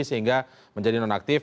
sehingga menjadi nonaktif